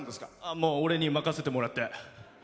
もう俺に任せてもらって。